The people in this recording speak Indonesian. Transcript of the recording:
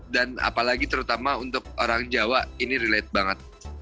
dan apalagi terutama untuk orang jawa ini relate banget